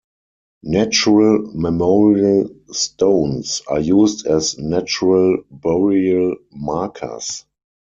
Natural memorial stones are used as natural burial markers.